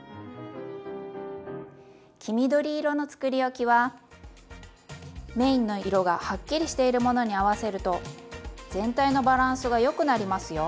黄緑色のつくりおきはメインの色がはっきりしているものに合わせると全体のバランスがよくなりますよ。